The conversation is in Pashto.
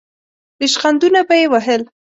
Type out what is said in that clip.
ریشخندونه به یې وهل.